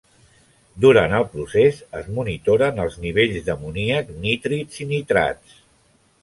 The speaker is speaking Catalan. Durant el procés, es monitoren els nivells d'amoníac, nitrits i nitrats.